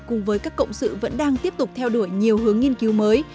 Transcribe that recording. cùng với các cộng sự vẫn đang tiếp tục theo đuổi nhiều hướng nghiên cứu mới